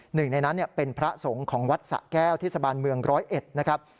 หนึ่งในนั้นเป็นพระสงฆ์ของวัดสะแก้วเทศบาลเมืองร้อยเอ็ดนะครับ